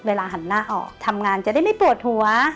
หันหน้าออกทำงานจะได้ไม่ปวดหัว